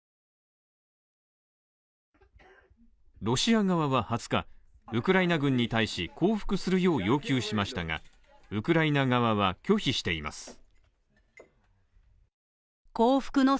ロシア側は２０日、ウクライナ軍に対し降伏するよう要求しましたがウクライナ側は拒否しています。